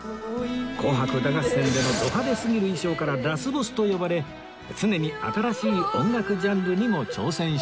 『紅白歌合戦』でのド派手すぎる衣装からラスボスと呼ばれ常に新しい音楽ジャンルにも挑戦しています